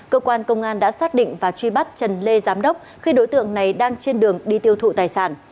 cơ quan công an đã xác định và truy bắt trần lê giám đốc khi đối tượng này đang trên đường đi tiêu thụ tài sản